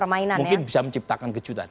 mungkin bisa menciptakan kejutan